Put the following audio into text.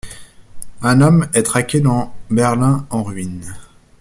Un homme est traqué dans Berlin en ruines.